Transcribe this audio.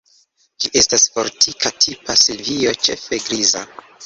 Ĝi estas fortika tipa silvio, ĉefe griza.